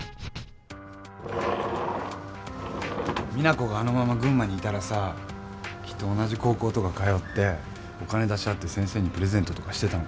実那子があのまま群馬にいたらきっと同じ高校とか通ってお金出し合って先生にプレゼントとかしてたのかな。